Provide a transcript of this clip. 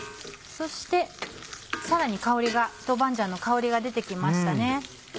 そしてさらに香りが豆板醤の香りが出て来ました。